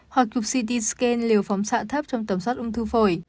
hoặc chụp ct scan liều phóng xạ thấp trong tầm soát ung thư phổi